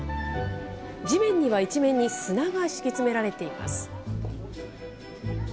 地面には一面に砂が敷き詰められています。